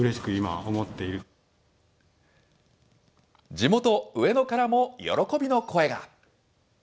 地元、上野からも喜びの声が。